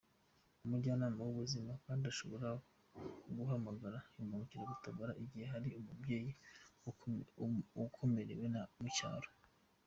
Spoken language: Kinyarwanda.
Umujyanama w’ubuzima kandi ashobora guhamagara imbangukiragutabara igihe hari umubyeyi ukomerewe mu cyaro.